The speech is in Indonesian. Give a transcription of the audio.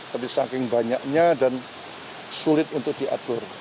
tapi saking banyaknya dan sulit untuk diatur